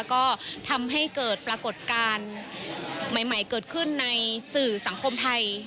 ก็ทำให้เกิดปรากฏการณ์ใหม่เกิดขึ้นในสื่อสังคมไทย